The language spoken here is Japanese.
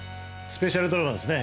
スペシャルドラマですね。